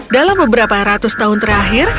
dalam beberapa ratus tahun terakhir